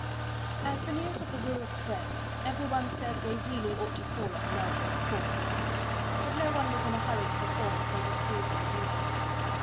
As the news of the will spread, every one said they really ought to call on the Melvilles, poor things; but no one was in a hurry to perform so disagreeable a duty.